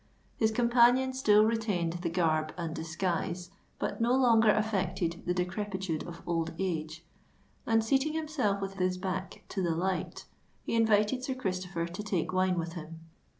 His companion still retained the garb and disguise, but no longer affected the decrepitude of old age; and, seating himself with his back to the light, he invited Sir Christopher to take wine with him.